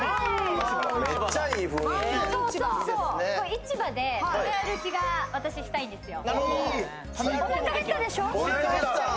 市場で食べ歩きが私、したいんですよ。